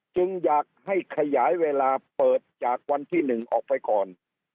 จึงอยากให้ขยายเวลาเปิดจากวันที่๑ออกไปก่อน